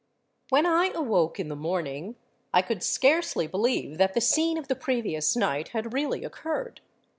"When I awoke in the morning, I could scarcely believe that the scene of the previous night had really occurred.